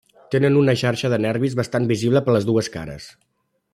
Tenen una xarxa de nervis bastant visible per les dues cares.